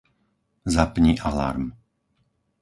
Zapni alarm.